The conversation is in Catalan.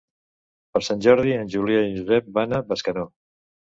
Per Sant Jordi en Julià i en Josep van a Bescanó.